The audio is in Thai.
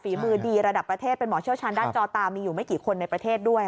ฝีมือดีระดับประเทศเป็นหมอเชี่ยวชาญด้านจอตามีอยู่ไม่กี่คนในประเทศด้วย